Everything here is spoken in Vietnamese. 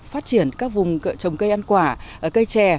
phát triển các vùng trồng cây ăn quả cây trè